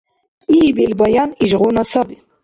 КӀиибил баян ишгъуна сабри.